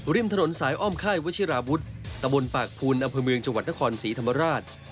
ริมถนนสายอ้อมค่ายวัชิราวุฒิตะบนปากภูนอำเภอเมืองจังหวัดนครศรีธรรมราช